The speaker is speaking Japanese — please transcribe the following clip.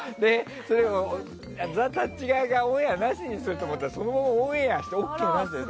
ザ・たっち側がオンエアをなしにすると思ったらそのままオンエアしてＯＫになったのよ。